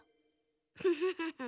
フフフフ。